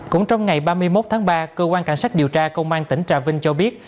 cũng trong ngày ba mươi một tháng ba cơ quan cảnh sát điều tra công an tỉnh trà vinh cho biết